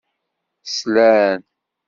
Slan.